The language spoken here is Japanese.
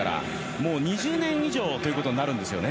もう２０年以上ということになりますね。